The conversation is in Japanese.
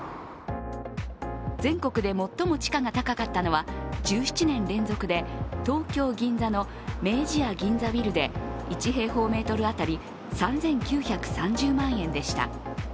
全国で最も地価が高かったのは１７年連続で東京・銀座の明治屋銀座ビルで１平方メートル当たり３９３０万円でした。